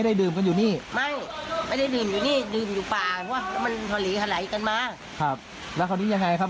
แล้วคราวนี้ยังไงครับ